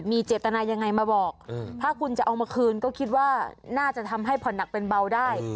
มีเจตนายังไงมาบอกถ้าคุณจะเอามาคืนก็คิดว่าน่าจะทำให้ผ่อนหนักเป็นเบาได้